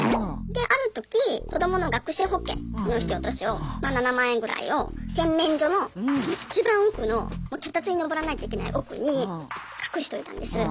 である時子どもの学資保険の引き落としをまあ７万円ぐらいを洗面所の一番奥のもう脚立に上らないといけない奥に隠しといたんです。